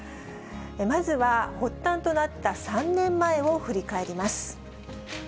まずは、発端となった３年前を振り返ります。